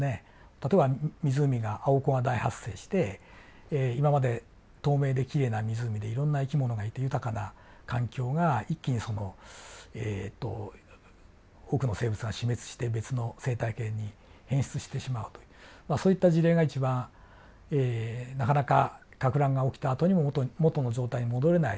例えば湖がアオコが大発生して今まで透明できれいな湖でいろんな生き物がいて豊かな環境が一気にそのえっと多くの生物が死滅して別の生態系に変質してしまうというまあそういった事例が一番なかなかかく乱が起きたあとにも元の状態に戻れない。